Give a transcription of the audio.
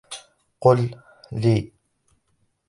قل لي.